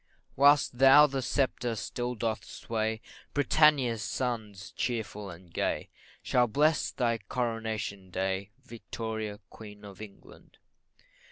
Whilst thou the sceptre still dost sway, Britannia's sons, cheerful and gay, Shall bless thy Coronation day, Victoria, Queen of England.